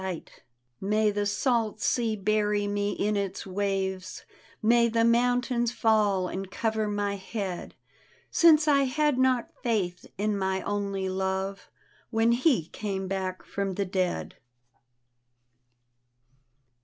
D,gt,, erihyGOOgle The Haunted Hour May the salt sea bury me in its waves, May the mountains fall and cover my head, Since I had not faith in my only love When he came back from the dead.